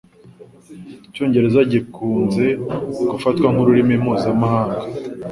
Icyongereza gikunze gufatwa nkururimi mpuzamahanga